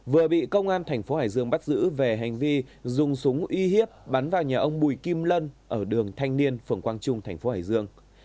vừa bị công an thành phố hải dương bắt giữ về hành vi dùng súng uy hiếp bắn vào nhà ông bùi kim lân ở đường thanh niên phường quang trung thành phố hải dương